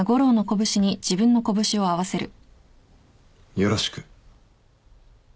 よろしく。